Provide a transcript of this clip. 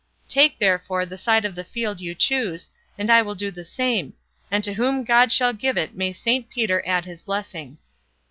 Take, therefore, the side of the field you choose, and I will do the same; and to whom God shall give it may Saint Peter add his blessing."